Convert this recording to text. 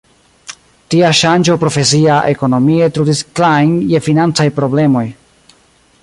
Tia ŝanĝo profesia ekonomie trudis Klein je financaj problemoj.